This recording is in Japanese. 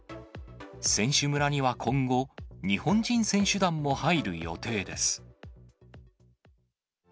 選手村には今後、日本人選手団も入る予定です。